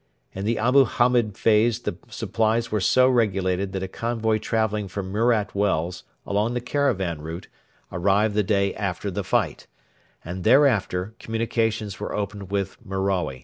In the Abu Hamed phase the supplies were so regulated that a convoy travelling from Murat Wells along the caravan route arrived the day after the fight; and thereafter communications were opened with Merawi.